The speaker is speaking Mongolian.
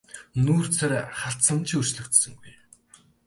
Нүүр царай харц нь ч өөрчлөгдсөнгүй.